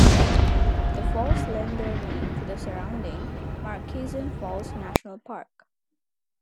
The falls lend their name to the surrounding Murchison Falls National Park.